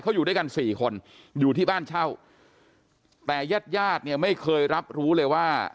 เขาอยู่ด้วยกันสี่คนอยู่ที่บ้านเช่าแต่ญาติญาติเนี่ยไม่เคยรับรู้เลยว่า